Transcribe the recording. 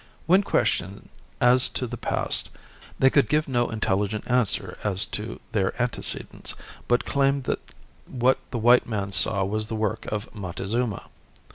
When questioned as to the past they could give no intelligent answer as to their antecedents, but claimed that what the white man saw was the work of Montezuma.